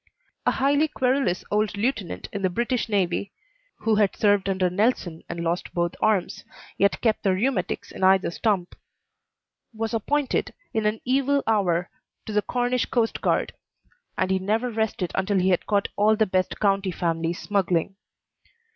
A highly querulous old lieutenant of the British navy (who had served under Nelson and lost both, arms, yet kept "the rheumatics" in either stump) was appointed, in an evil hour, to the Cornish coast guard; and he never rested until he had caught all the best county families smuggling.